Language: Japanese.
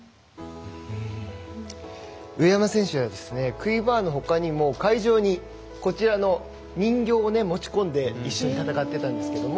上山選手はですねクイバーのほかにも会場にこちらの人形を持ち込んで一緒に戦ってたんですけども。